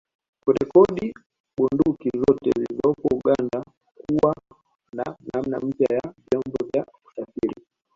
Kurekodi bunduki zote zilizopo Uganda kuwa na namna mpya ya vyombo vya usafiri